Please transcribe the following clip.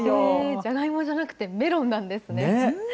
じゃがいもじゃなくてメロンなんですね。